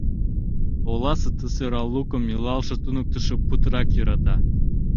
Оласе ты сӧрал лукым илалше туныктышо путырак йӧрата.